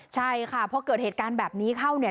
ใช่ค่ะพอเกิดเหตุการณ์แบบนี้เข้าเนี่ย